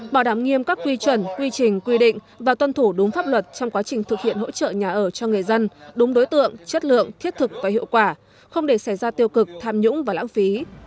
bảo đảm nghiêm các quy chuẩn quy trình quy định và tuân thủ đúng pháp luật trong quá trình thực hiện hỗ trợ nhà ở cho người dân đúng đối tượng chất lượng thiết thực và hiệu quả không để xảy ra tiêu cực tham nhũng và lãng phí